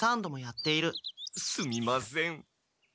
すみません。